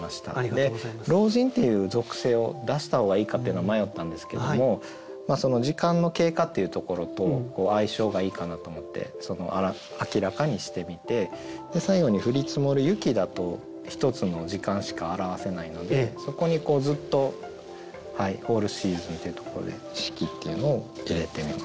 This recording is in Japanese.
で「老人」っていう属性を出した方がいいかっていうのは迷ったんですけども時間の経過っていうところと相性がいいかなと思って明らかにしてみて最後に「降り積もる雪」だと１つの時間しか表せないのでそこにこうずっとオールシーズンっていうところで「四季」っていうのを入れてみました。